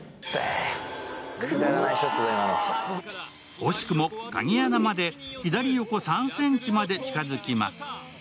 惜しくも鍵穴まで左横３ｃｍまで近づきます。